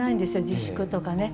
自粛とかね。